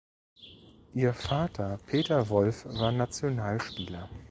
Ihr Vater Peter Wolf war Nationalspieler.